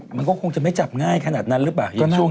มันก็คงจะไม่จับง่ายขนาดนั้นหรือเปล่า